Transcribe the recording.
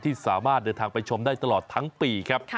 ที่สามารถเดินทางไปชมได้ตลอดทั้งปีครับ